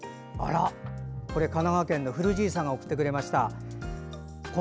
これ、神奈川県のふるじいさんが送ってくれました。